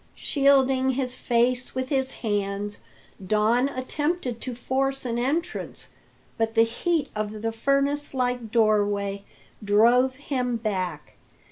Shielding his face with his hands, Don attempted to force an entrance, but the heat of the furnace like doorway drove him back.